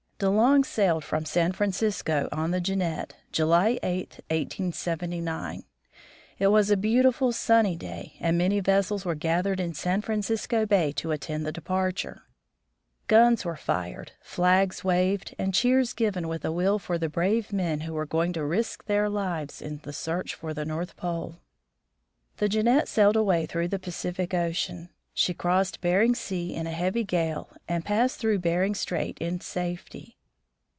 De Long sailed from San Francisco on the Jeannette, July 8, 1879. It was a beautiful sunny day, and many vessels were gathered in San Francisco bay to attend the departure. Guns were fired, flags waved, and cheers given with a will for the brave men who were going to risk their lives in the search for the North Pole. The Jeannette sailed away through the Pacific ocean. She crossed Bering sea in a heavy gale, and passed through Bering strait in safety.